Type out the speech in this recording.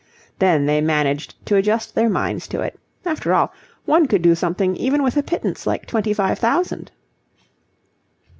Then they managed to adjust their minds to it. After all, one could do something even with a pittance like twenty five thousand.